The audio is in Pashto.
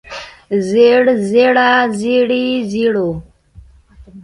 زېړ زېړه زېړې زېړو